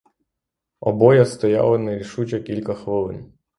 Обоє стояли нерішуче кілька хвилин.